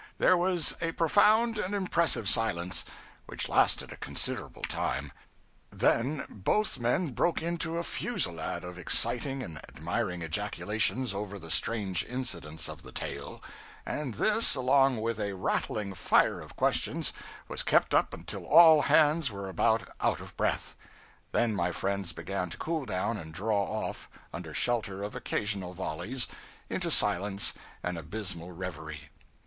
There was a profound and impressive silence, which lasted a considerable time; then both men broke into a fusillade of exciting and admiring ejaculations over the strange incidents of the tale; and this, along with a rattling fire of questions, was kept up until all hands were about out of breath. Then my friends began to cool down, and draw off, under shelter of occasional volleys, into silence and abysmal reverie.